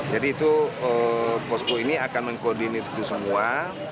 jadi itu pospo ini akan mengkoordinir itu semua